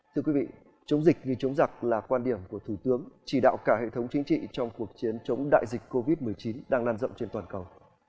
thưa quý vị chống dịch vì chống giặc là quan điểm của thủ tướng chỉ đạo cả hệ thống chính trị trong cuộc chiến chống đại dịch covid một mươi chín đang lan rộng trên toàn cầu